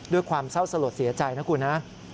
ด้วยความเศร้าสลดเสียใจนะคุณนะ